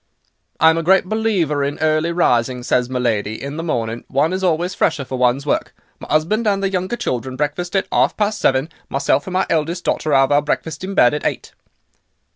"'I'm a great believer in early rising,' says my lady; 'in the morning, one is always fresher for one's work; my 'usband and the younger children breakfast at 'arf past seven; myself and my eldest daughter 'ave our breakfest in bed at eight.